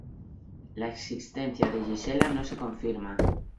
La existencia de Gisela no se confirma.